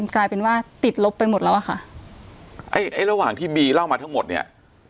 กลายเป็นว่าติดลบไปหมดแล้วอะค่ะไอ้ไอ้ระหว่างที่บีเล่ามาทั้งหมดเนี่ย